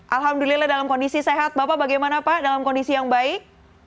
alhamdulillah dalam kondisi sehat bapak bagaimana pak dalam kondisi yang baik